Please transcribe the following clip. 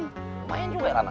lumayan juga ya lama